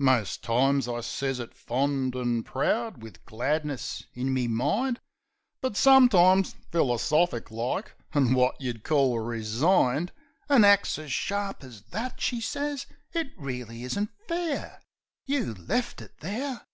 Most times I sez it fond an' proud wiv gladness in me mind; But sometimes philosophic like an' wot yeh'd call resigned. "An axe as sharp as that," she sez. "It reely isn't fair! You left it there!